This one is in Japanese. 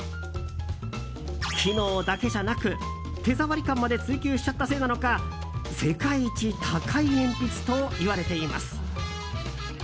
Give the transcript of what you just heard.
機能だけじゃなく手触り感まで追求しちゃったせいなのか世界一高い鉛筆といわれています。